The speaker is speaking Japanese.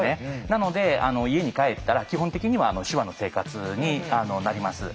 なので家に帰ったら基本的には手話の生活になります。